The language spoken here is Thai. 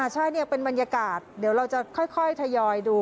ใช่เป็นบรรยากาศเดี๋ยวเราจะค่อยทยอยดู